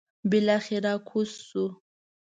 بلاخره کوزه شوه.